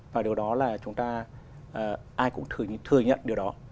và điều đó là chúng ta ai cũng thừa nhận điều đó